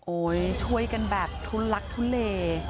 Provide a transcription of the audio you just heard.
ช่วยกันแบบทุลักทุเล